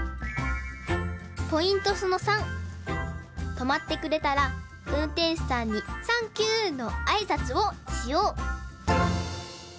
とまってくれたらうんてんしゅさんに「サンキュー！」のあいさつをしよう！